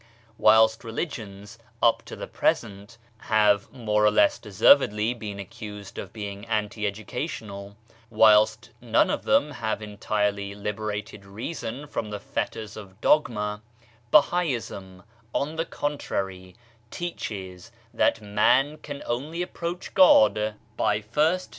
Whilst religions, up to the present, have more or less deservedly been accused of being anti educational; whilst none of them have entirely liberated reason from the fetters of dogma, Bahaism, on the contrary, teaches that man can only approach God, by first 1 Baha'u'llah, Tablet of IikraqZt, p. 33.